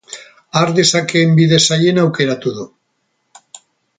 Har dezakeen bide zailena aukeratu du.